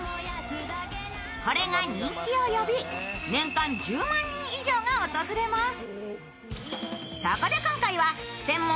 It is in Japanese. これが人気を呼び年間１０万人以上が訪れます。